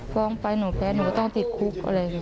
ฟ้องไปหนูแพ้หนูก็ต้องติดคุก